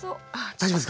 大丈夫ですか？